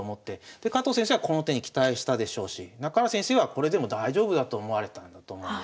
で加藤先生はこの手に期待したでしょうし中原先生はこれでも大丈夫だと思われたんだと思うんですよね。